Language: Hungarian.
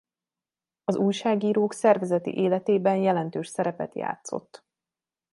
Az újságírók szervezeti életében jelentős szerepet játszott.